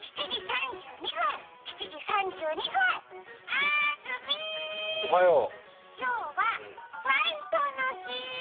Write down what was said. あーずみー、今日はファイトの日。